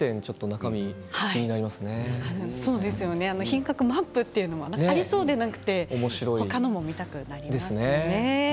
「品格語辞典」品格マップというのもありそうでなさそうで見たくなりますよね。